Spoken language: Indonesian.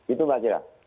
itu mbak kira